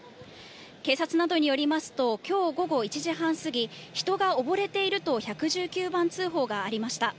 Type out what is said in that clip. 警察などによりますと、きょう午後１時半過ぎ、人が溺れていると１１９番通報がありました。